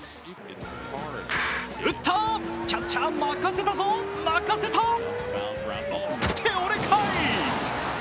打った、キャッチャー任せたぞ、任せたって俺かい！